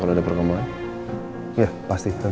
kau yang saling memegangkan different